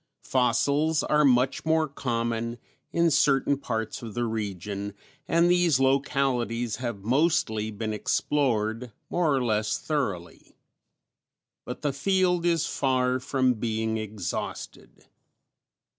Fossils are much more common in certain parts of the region, and these localities have mostly been explored more or less thoroughly. But the field is far from being exhausted.